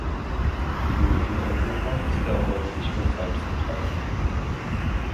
In Mitteleuropa ist er häufig und weit verbreitet.